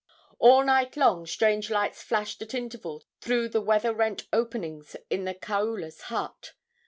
All night long strange lights flashed at intervals through the weather rent openings in the kaula's hut.